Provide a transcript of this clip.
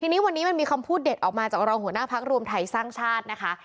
ทีนี้วันนี้มันมีคำพูดเด็ดออกมาจากรองหัวหน้าพักรวมไทยสร้างชาตินะคะ